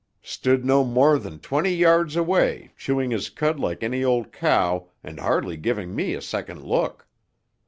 Stood no more than twenty yards away, chewing his cud like any old cow and hardly giving me a second look.